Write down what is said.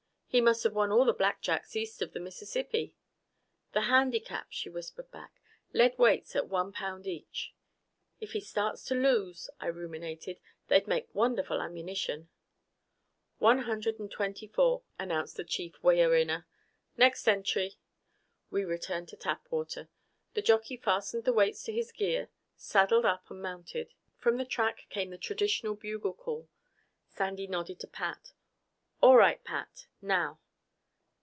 He must have won all the blackjacks east of the Mississippi." "The handicap," she whispered back. "Lead weights at one pound each." "If he starts to lose," I ruminated, "they'd make wonderful ammunition " "One hundred and twenty four," announced the chief weigher inner. "Next entry!" We returned to Tapwater. The jockey fastened the weights to his gear, saddled up and mounted. From the track came the traditional bugle call. Sandy nodded to Pat. "All right, Pat. Now!"